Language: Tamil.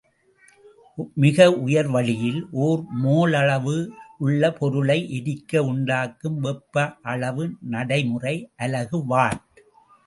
மிகு உயர்வளியில் ஒரு மோல் அளவுள்ள பொருளை எரிக்க உண்டாகும் வெப்ப அளவு நடைமுறை அலகு வாட்.